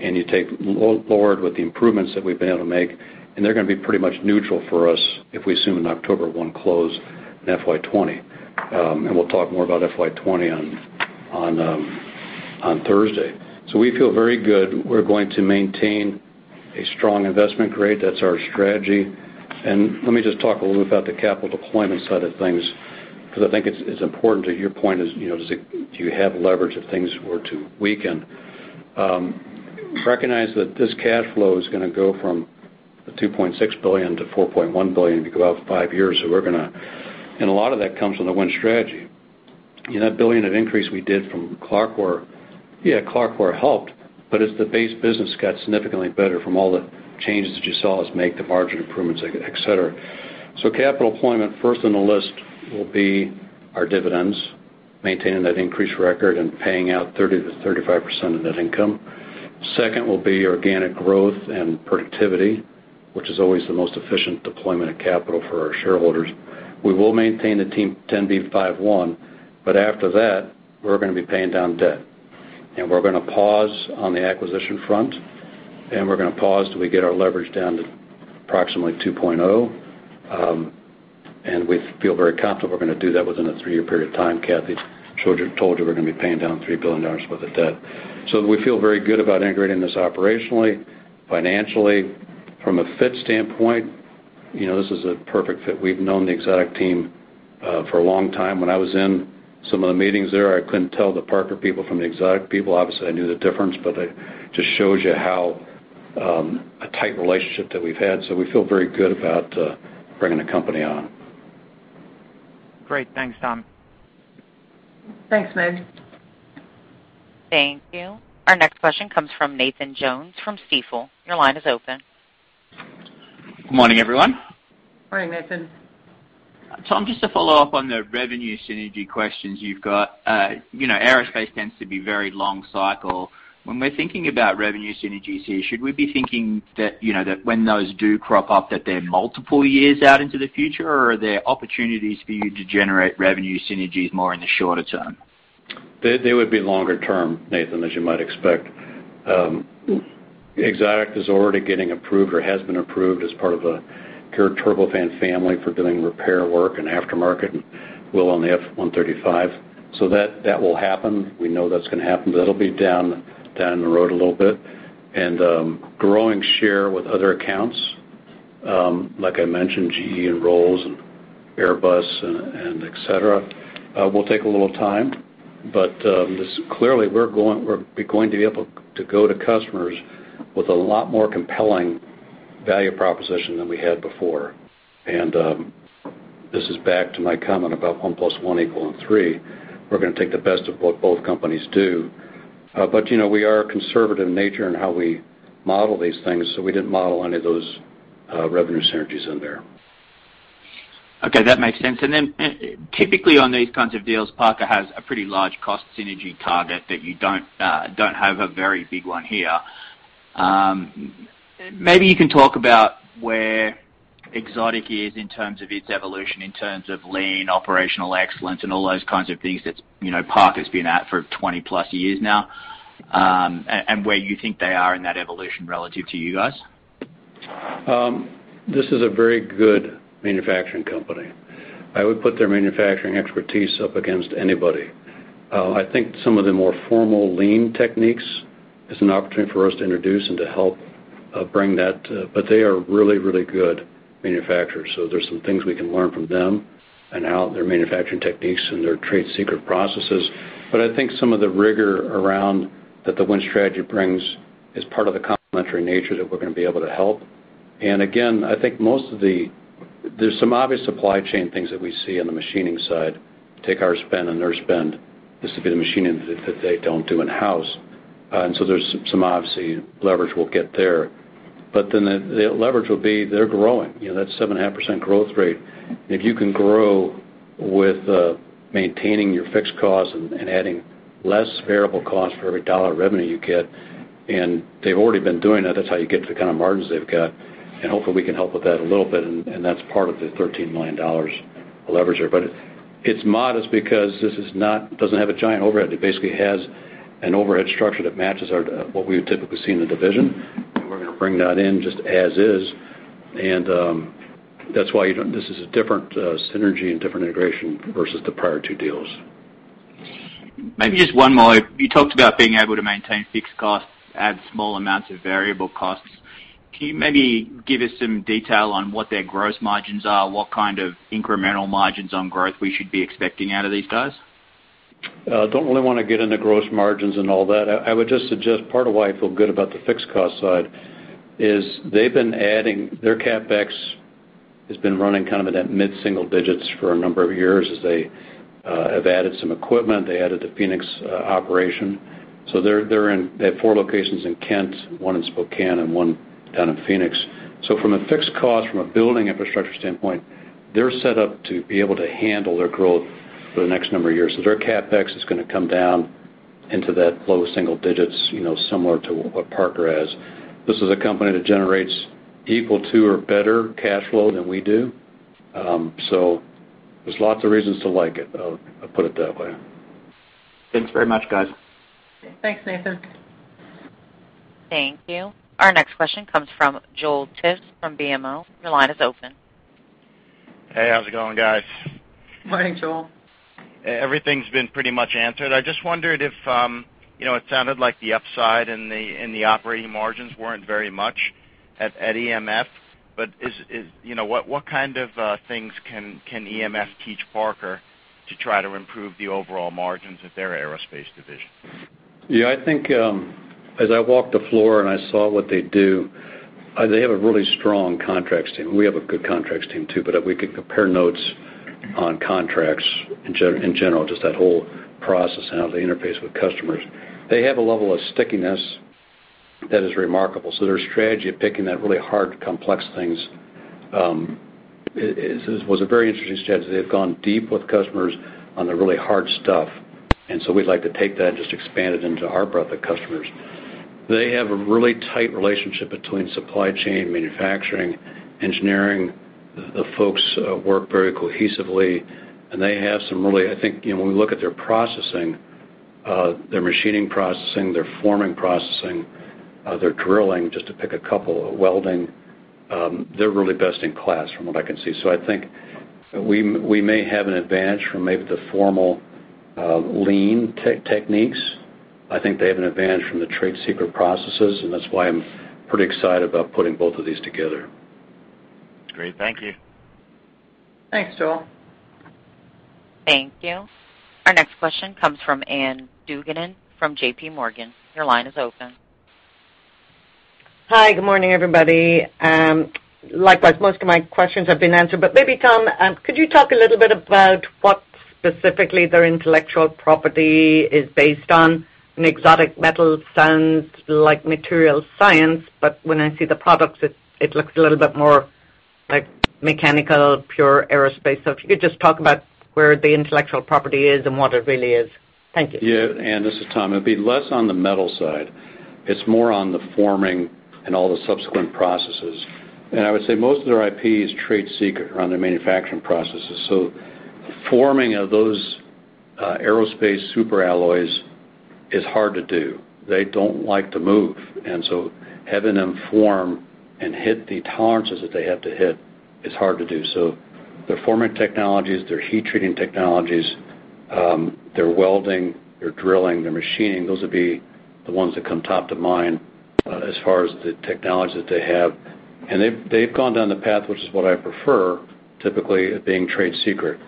and you take LORD with the improvements that we have been able to make, and they are going to be pretty much neutral for us if we assume an October 1 close in FY 2020. We will talk more about FY 2020 on Thursday. We feel very good. We are going to maintain a strong investment grade. That is our strategy. Let me just talk a little about the capital deployment side of things, because I think it's important to your point is, do you have leverage if things were to weaken? Recognize that this cash flow is going to go from $2.6 billion to $4.1 billion if you go out five years, and a lot of that comes from the Win Strategy. That $1 billion of increase we did from CLARCOR, yeah, CLARCOR helped, but it's the base business got significantly better from all the changes that you saw us make, the margin improvements, et cetera. Capital deployment, first on the list will be our dividends, maintaining that increased record and paying out 30%-35% of net income. Second will be organic growth and productivity, which is always the most efficient deployment of capital for our shareholders. We will maintain the 10b5-1, after that, we're going to be paying down debt. We're going to pause on the acquisition front, we're going to pause till we get our leverage down to approximately 2.0, we feel very confident we're going to do that within a three-year period of time. Cathy told you we're going to be paying down $3 billion worth of debt. We feel very good about integrating this operationally, financially. From a fit standpoint, this is a perfect fit. We've known the Exotic team for a long time. When I was in some of the meetings there, I couldn't tell the Parker people from the Exotic people. Obviously, I knew the difference, it just shows you how a tight relationship that we've had. We feel very good about bringing the company on. Great. Thanks, Tom. Thanks, Mig. Thank you. Our next question comes from Nathan Jones from Stifel. Your line is open. Good morning, everyone. Morning, Nathan. Tom, just to follow up on the revenue synergy questions you've got. Aerospace tends to be very long cycle. When we're thinking about revenue synergies here, should we be thinking that when those do crop up, that they're multiple years out into the future, or are there opportunities for you to generate revenue synergies more in the shorter term? They would be longer term, Nathan, as you might expect. Exotic is already getting approved or has been approved as part of the current turbofan family for doing repair work and aftermarket, will on the F135. That will happen. We know that's going to happen, but it'll be down the road a little bit. Growing share with other accounts, like I mentioned, GE and Rolls-Royce and Airbus and et cetera, will take a little time, but clearly, we're going to be able to go to customers with a lot more compelling value proposition than we had before. This is back to my comment about 1 + 1 = 3. We're going to take the best of what both companies do. We are conservative in nature in how we model these things, so we didn't model any of those revenue synergies in there. Okay, that makes sense. Typically on these kinds of deals, Parker has a pretty large cost synergy target, but you don't have a very big one here. Maybe you can talk about where Exotic is in terms of its evolution, in terms of lean operational excellence and all those kinds of things that Parker's been at for 20+ years now, and where you think they are in that evolution relative to you guys. This is a very good manufacturing company. I would put their manufacturing expertise up against anybody. I think some of the more formal lean techniques is an opportunity for us to introduce and to help, bring that. They are really good manufacturers. There's some things we can learn from them and how their manufacturing techniques and their trade secret processes. I think some of the rigor around that the Win Strategy brings is part of the complementary nature that we're going to be able to help. Again, there's some obvious supply chain things that we see on the machining side, take our spend and their spend. This will be the machining that they don't do in-house. There's some obviously leverage we'll get there. The leverage will be, they're growing, that 7.5% growth rate. If you can grow with maintaining your fixed cost and adding less variable cost for every dollar of revenue you get, they've already been doing that's how you get to the kind of margins they've got, hopefully we can help with that a little bit, that's part of the $13 million of leverage there. It's modest because this doesn't have a giant overhead. It basically has an overhead structure that matches what we would typically see in the division, we're going to bring that in just as is. That's why this is a different synergy and different integration versus the prior two deals. Maybe just one more. You talked about being able to maintain fixed costs, add small amounts of variable costs. Can you maybe give us some detail on what their gross margins are, what kind of incremental margins on growth we should be expecting out of these guys? Don't really want to get into gross margins and all that. I would just suggest part of why I feel good about the fixed cost side is they've been adding, their CapEx has been running kind of in that mid-single digits for a number of years as they have added some equipment. They added the Phoenix operation. They have four locations in Kent, one in Spokane, and one down in Phoenix. From a fixed cost, from a building infrastructure standpoint, they're set up to be able to handle their growth for the next number of years. Their CapEx is going to come down into that low single digits, similar to what Parker has. This is a company that generates equal to or better cash flow than we do. There's lots of reasons to like it, I'll put it that way. Thanks very much, guys. Thanks, Nathan. Thank you. Our next question comes from Joel Tiss from BMO. Your line is open. Hey, how's it going, guys? Morning, Joel. Everything's been pretty much answered. I just wondered if, it sounded like the upside and the operating margins weren't very much at EMF. What kind of things can EMF teach Parker to try to improve the overall margins at their aerospace division? Yeah, I think, as I walked the floor and I saw what they do, they have a really strong contracts team. We have a good contracts team too, but we could compare notes on contracts in general, just that whole process and how they interface with customers. They have a level of stickiness that is remarkable. Their strategy of picking that really hard, complex things, was a very interesting strategy. They've gone deep with customers on the really hard stuff. We'd like to take that and just expand it into our breadth of customers. They have a really tight relationship between supply chain, manufacturing, engineering. The folks work very cohesively, and they have some really, I think, when we look at their processing, their machining processing, their forming processing, their drilling, just to pick a couple, welding, they're really best in class from what I can see. I think we may have an advantage from maybe the formal lean techniques. I think they have an advantage from the trade secret processes, and that's why I'm pretty excited about putting both of these together. Great. Thank you. Thanks, Joel. Thank you. Our next question comes from Ann Duignan from JPMorgan. Your line is open. Hi, good morning, everybody. Likewise, most of my questions have been answered, but maybe, Tom, could you talk a little bit about what specifically their intellectual property is based on? And Exotic Metal sounds like material science, but when I see the products, it looks a little bit more like mechanical, pure aerospace. If you could just talk about where the intellectual property is and what it really is. Thank you. Yeah, Ann, this is Tom. It'd be less on the metal side. It's more on the forming and all the subsequent processes. I would say most of their IP is trade secret around their manufacturing processes. Forming of those aerospace super alloys is hard to do. They don't like to move. Having them form and hit the tolerances that they have to hit is hard to do. Their forming technologies, their heat treating technologies, their welding, their drilling, their machining, those would be the ones that come top to mind as far as the technology that they have. They've gone down the path, which is what I prefer, typically it being trade secret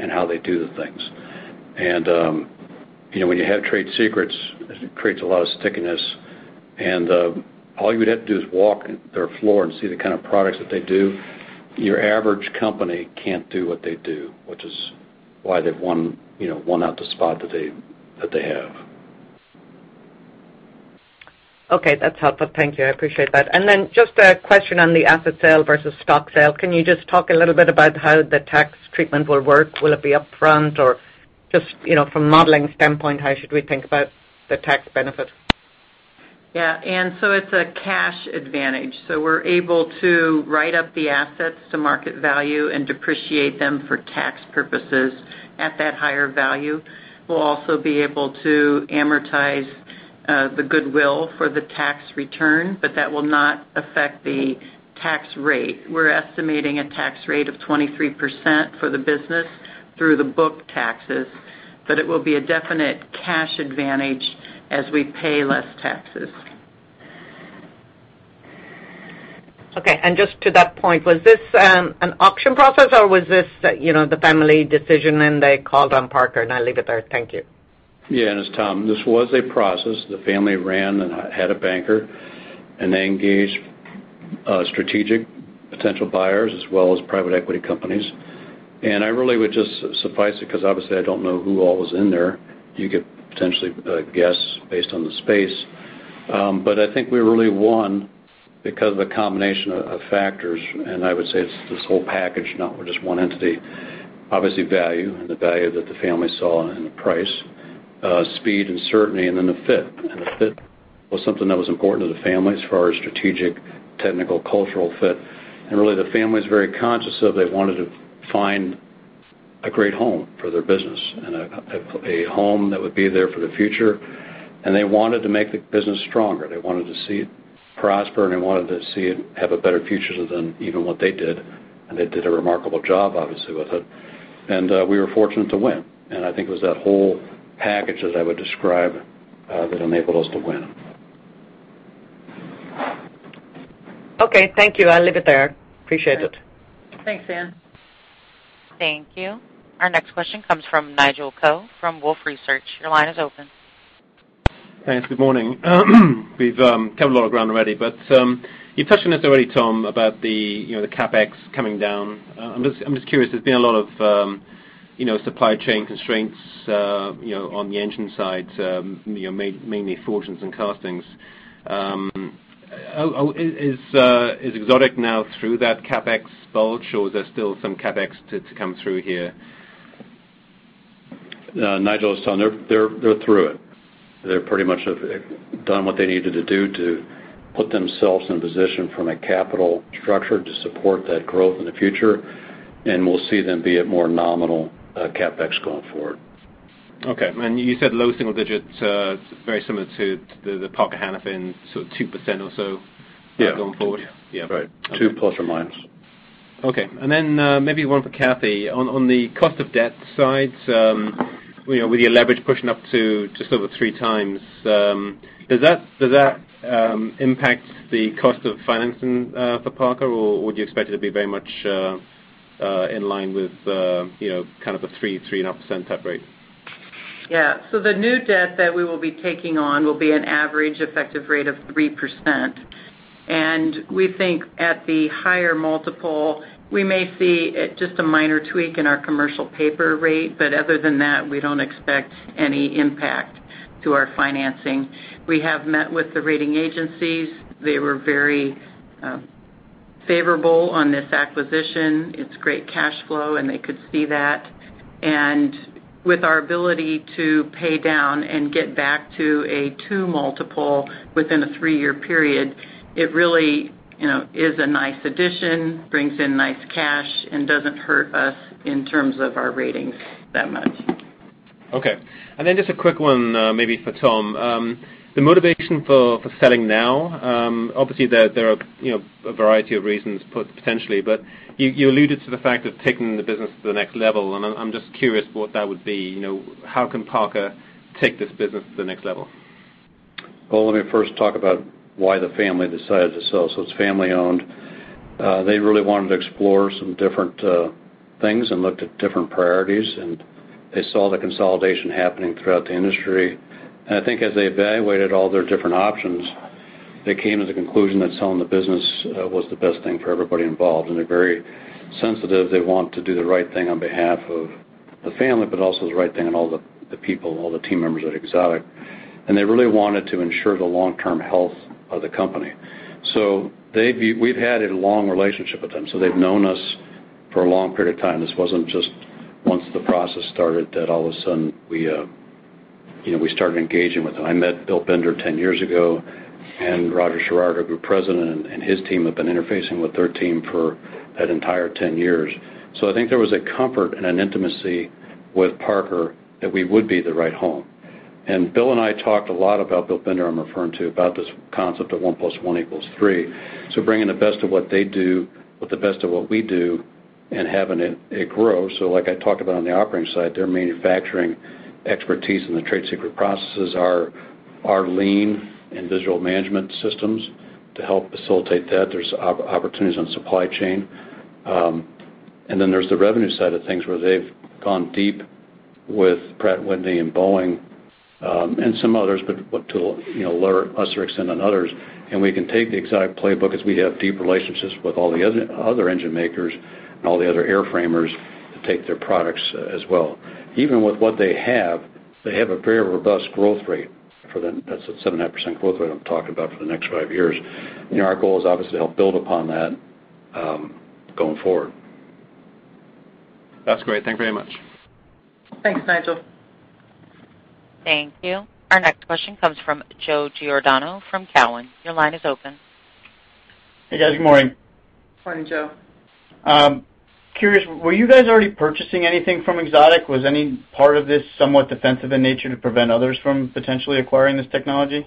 in how they do the things. When you have trade secrets, it creates a lot of stickiness, and all you would have to do is walk their floor and see the kind of products that they do. Your average company can't do what they do, which is why they've won out the spot that they have. Okay. That's helpful. Thank you. I appreciate that. Then just a question on the asset sale versus stock sale. Can you just talk a little bit about how the tax treatment will work? Will it be upfront or just from a modeling standpoint, how should we think about the tax benefit? Yeah. It's a cash advantage. We're able to write up the assets to market value and depreciate them for tax purposes at that higher value. We'll also be able to amortize the goodwill for the tax return, that will not affect the tax rate. We're estimating a tax rate of 23% for the business through the book taxes, it will be a definite cash advantage as we pay less taxes. Okay. Just to that point, was this an auction process or was this the family decision, and they called on Parker? I'll leave it there. Thank you. Yeah. It's Tom. This was a process the family ran and had a banker, and they engaged strategic potential buyers as well as private equity companies. I really would just suffice it because obviously I don't know who all was in there. You could potentially guess based on the space. I think we really won because of a combination of factors, and I would say it's this whole package, not with just one entity. Obviously value, and the value that the family saw, and the price, speed and certainty, and then the fit. The fit was something that was important to the family as far as strategic, technical, cultural fit. Really, the family's very conscious of they wanted to find a great home for their business and a home that would be there for the future. They wanted to make the business stronger. They wanted to see it prosper, and they wanted to see it have a better future than even what they did. They did a remarkable job, obviously, with it. We were fortunate to win, and I think it was that whole package, as I would describe, that enabled us to win. Okay, thank you. I'll leave it there. Appreciate it. Thanks, Ann. Thank you. Our next question comes from Nigel Coe from Wolfe Research. Your line is open. Thanks. Good morning. We've covered a lot of ground already, but you touched on this already, Tom, about the CapEx coming down. I'm just curious, there's been a lot of supply chain constraints on the engine side, mainly forgings and castings. Is Exotic now through that CapEx bulge, or is there still some CapEx to come through here? Nigel, it's Tom. They're through it. They pretty much have done what they needed to do to put themselves in a position from a capital structure to support that growth in the future. We'll see them be at more nominal CapEx going forward. Okay. You said low single digits, very similar to the Parker-Hannifin, so 2% or so. Yeah. Going forward? Yeah. Right. 2 ±. Okay. Maybe one for Cathy. On the cost of debt side, with your leverage pushing up to just over 3x, does that impact the cost of financing for Parker, or would you expect it to be very much in line with kind of a 3%, 3.5% type rate? Yeah. The new debt that we will be taking on will be an average effective rate of 3%. We think at the higher multiple, we may see just a minor tweak in our commercial paper rate. Other than that, we don't expect any impact to our financing. We have met with the rating agencies. They were very favorable on this acquisition. It's great cash flow, and they could see that. With our ability to pay down and get back to a two multiple within a three-year period, it really is a nice addition, brings in nice cash, and doesn't hurt us in terms of our ratings that much. Okay. Just a quick one maybe for Tom. The motivation for selling now, obviously there are a variety of reasons potentially, but you alluded to the fact of taking the business to the next level, and I'm just curious what that would be. How can Parker take this business to the next level? Well, let me first talk about why the family decided to sell. It's family owned. They really wanted to explore some different things and looked at different priorities. They saw the consolidation happening throughout the industry. I think as they evaluated all their different options, they came to the conclusion that selling the business was the best thing for everybody involved. They're very sensitive. They want to do the right thing on behalf of the family, but also the right thing on all the people, all the team members at Exotic. They really wanted to ensure the long-term health of the company. We've had a long relationship with them, so they've known us for a long period of time. This wasn't just once the process started that all of a sudden We started engaging with them. I met Bill Binder 10 years ago. Roger Sherrard, our Group President, and his team have been interfacing with their team for that entire 10 years. I think there was a comfort and an intimacy with Parker that we would be the right home. Bill and I talked a lot, Bill Binder I'm referring to, about this concept of 1 + 1 = 3. Bringing the best of what they do with the best of what we do and having it grow. Like I talked about on the operating side, their manufacturing expertise and the trade secret processes, our lean and digital management systems to help facilitate that. There's opportunities on supply chain. There's the revenue side of things where they've gone deep with Pratt & Whitney and Boeing, and some others, but to a lesser extent than others. We can take the Exotic playbook as we have deep relationships with all the other engine makers and all the other airframers to take their products as well. Even with what they have, they have a very robust growth rate. That's the 7.5% growth rate I'm talking about for the next five years. Our goal is obviously to help build upon that going forward. That's great. Thank you very much. Thanks, Nigel. Thank you. Our next question comes from Joe Giordano from Cowen. Your line is open. Hey, guys. Good morning. Morning, Joe. Curious, were you guys already purchasing anything from Exotic? Was any part of this somewhat defensive in nature to prevent others from potentially acquiring this technology?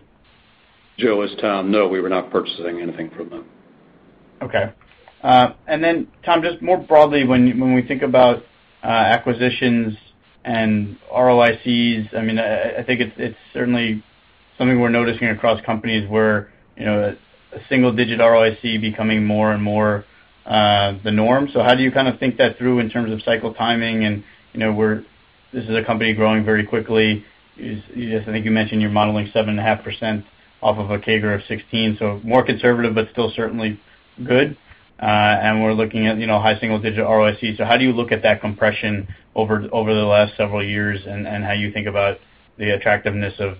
Joe, this is Tom. No, we were not purchasing anything from them. Okay. Tom, just more broadly, when we think about acquisitions and ROICs, I think it is certainly something we are noticing across companies where a single-digit ROIC becoming more and more the norm. How do you kind of think that through in terms of cycle timing, and this is a company growing very quickly. I think you mentioned you are modeling 7.5% off of a CAGR of 16, so more conservative, but still certainly good. We are looking at high single-digit ROIC. How do you look at that compression over the last several years and how you think about the attractiveness of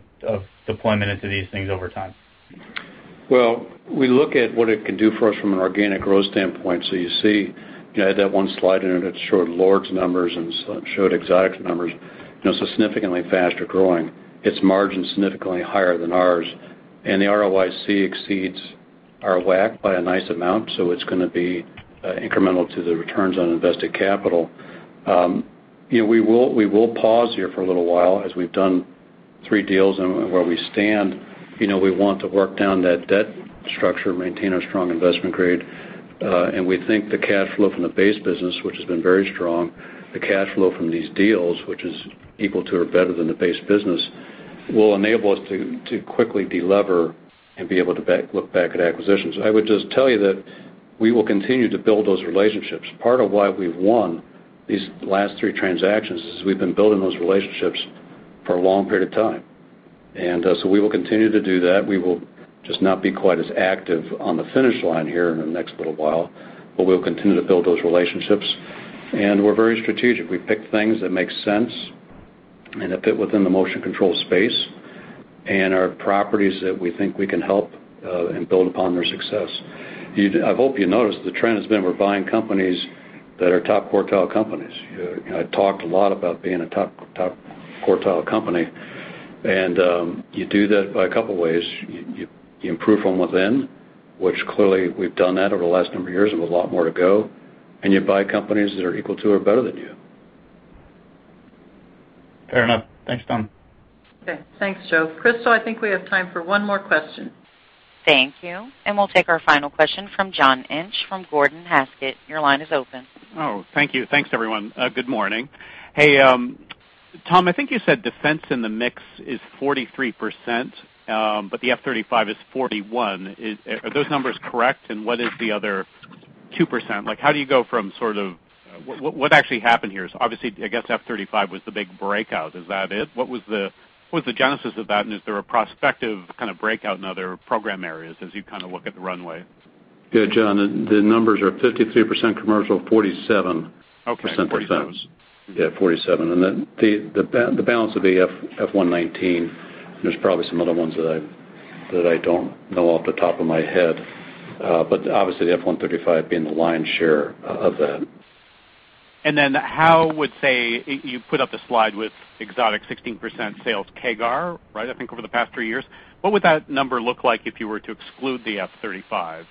deployment into these things over time? Well, we look at what it can do for us from an organic growth standpoint. You see, I had that one slide in it that showed LORD's numbers and showed Exotic's numbers. Significantly faster growing. Its margin's significantly higher than ours, and the ROIC exceeds our WACC by a nice amount, so it's going to be incremental to the returns on invested capital. We will pause here for a little while as we've done three deals, and where we stand, we want to work down that debt structure, maintain our strong investment grade. We think the cash flow from the base business, which has been very strong, the cash flow from these deals, which is equal to or better than the base business, will enable us to quickly de-lever and be able to look back at acquisitions. I would just tell you that we will continue to build those relationships. Part of why we've won these last three transactions is we've been building those relationships for a long period of time. We will continue to do that. We will just not be quite as active on the finish line here in the next little while, but we'll continue to build those relationships. We're very strategic. We pick things that make sense and that fit within the motion control space, and are properties that we think we can help, and build upon their success. I hope you noticed the trend has been we're buying companies that are top quartile companies. I talked a lot about being a top quartile company, and you do that by a couple ways. You improve from within, which clearly we've done that over the last number of years with a lot more to go, and you buy companies that are equal to or better than you. Fair enough. Thanks, Tom. Okay. Thanks, Joe. Crystal, I think we have time for one more question. Thank you. We'll take our final question from John Inch from Gordon Haskett. Your line is open. Oh, thank you. Thanks, everyone. Good morning. Hey, Tom, I think you said defense in the mix is 43%, but the F-35 is 41%. Are those numbers correct? What is the other 2%? What actually happened here? Obviously, I guess F-35 was the big breakout. Is that it? What was the genesis of that, and is there a prospective kind of breakout in other program areas as you kind of look at the runway? Yeah, John, the numbers are 53% commercial, 47%- Okay, 47%. Yeah, 47%. The balance would be F119. There's probably some other ones that I don't know off the top of my head. Obviously the F135 being the lion's share of that. Then how would, say, you put up the slide with Exotic 16% sales CAGR, right, I think over the past three years. What would that number look like if you were to exclude the F-35?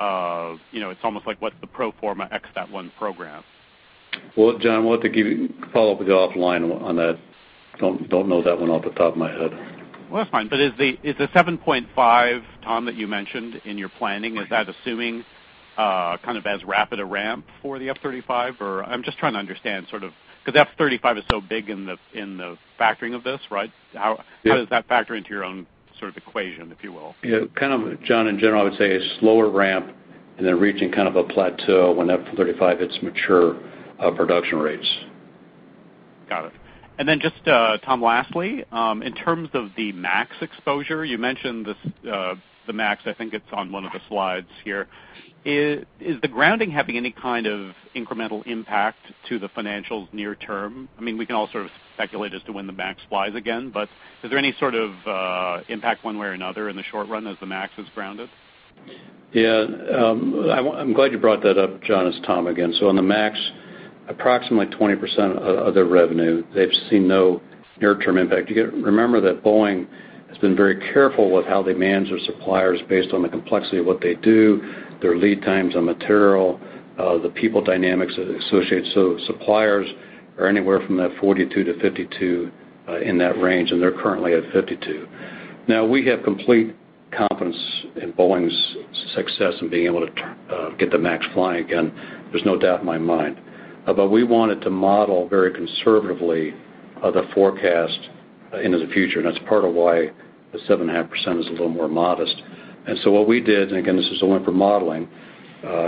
It's almost like what's the pro forma ex that one program? Well, John, we'll have to give you a follow-up offline on that. Don't know that one off the top of my head. Well, that's fine. Is the 7.5%, Tom, that you mentioned in your planning, is that assuming kind of as rapid a ramp for the F-35, or I'm just trying to understand sort of, because F-35 is so big in the factoring of this, right? Yeah. How does that factor into your own sort of equation, if you will? Yeah. John, in general, I would say a slower ramp and then reaching kind of a plateau when F-35 hits mature production rates. Got it. Just, Tom, lastly, in terms of the MAX exposure, you mentioned the MAX, I think it's on one of the slides here. Is the grounding having any kind of incremental impact to the financials near term? We can all sort of speculate as to when the MAX flies again, is there any sort of impact one way or another in the short run as the MAX is grounded? Yeah. I'm glad you brought that up, John. It's Tom again. On the MAX, approximately 20% of their revenue, they've seen no near-term impact. Remember that Boeing has been very careful with how they manage their suppliers based on the complexity of what they do, their lead times on material, the people dynamics associated. Suppliers are anywhere from that 42-52 in that range, and they're currently at 52. We have complete confidence in Boeing's success in being able to get the MAX flying again. There's no doubt in my mind. We wanted to model very conservatively the forecast into the future, and that's part of why the 7.5% is a little more modest. What we did, and again, this is only for modeling,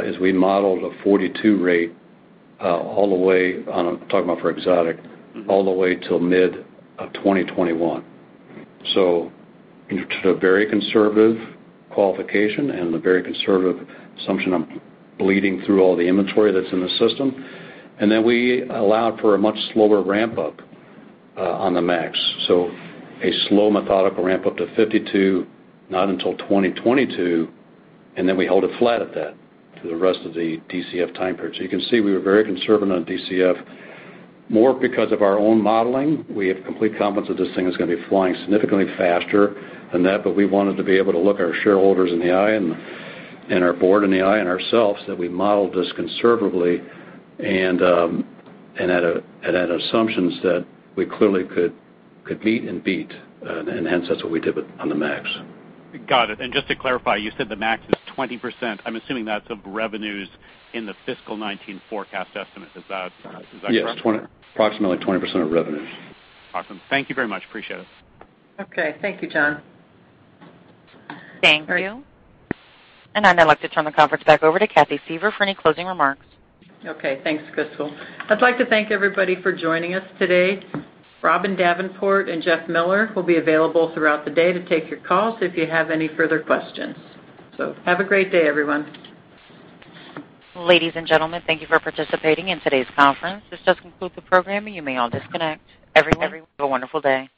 is we modeled a 42 rate all the way, I'm talking about for Exotic, all the way till mid-2021. Took a very conservative qualification and a very conservative assumption of bleeding through all the inventory that's in the system. Then we allowed for a much slower ramp-up on the MAX. A slow methodical ramp-up to 52, not until 2022, and then we held it flat at that for the rest of the DCF time period. You can see we were very conservative on DCF, more because of our own modeling. We have complete confidence that this thing is going to be flying significantly faster than that, but we wanted to be able to look our shareholders in the eye and our board in the eye and ourselves that we modeled this conservatively and at assumptions that we clearly could meet and beat. Hence, that's what we did on the MAX. Got it. Just to clarify, you said the MAX is 20%. I'm assuming that's of revenues in the fiscal 2019 forecast estimate. Is that correct? Yes, approximately 20% of revenue. Awesome. Thank you very much. Appreciate it. Okay, thank you, John. Thank you. I'd now like to turn the conference back over to Cathy Suever for any closing remarks. Okay. Thanks, Crystal. I'd like to thank everybody for joining us today. Robin Davenport and Jeff Miller will be available throughout the day to take your calls if you have any further questions. Have a great day, everyone. Ladies and gentlemen, thank you for participating in today's conference. This does conclude the program. You may all disconnect. Everyone, have a wonderful day.